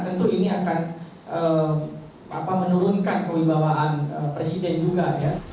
tentu ini akan menurunkan kewibawaan presiden juga